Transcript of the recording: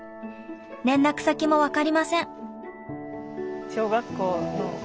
連絡先も分かりません。